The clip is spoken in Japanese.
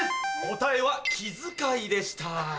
答えは「気遣い」でした。